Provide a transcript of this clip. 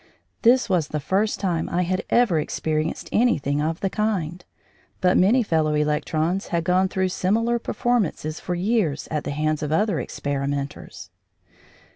This was the first time I had ever experienced anything of the kind, but many fellow electrons had gone through similar performances for years at the hands of other experimenters.